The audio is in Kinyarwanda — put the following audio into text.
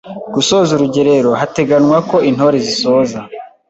Gusoza urugerero hateganwa ko Intore zisoza